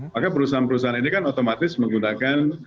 maka perusahaan perusahaan ini kan otomatis menggunakan